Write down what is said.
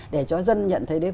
để cho dân nhận thấy đấy